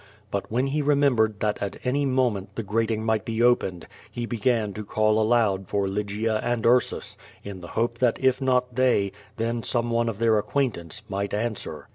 But when he remembered that at any moment the grating might be opened, he began to call aloud for Lygia and Ursus, in the hope that if not they, then some one of their acquaintance, might answer.